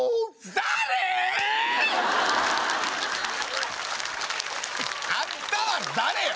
誰ー？あんたは誰よ？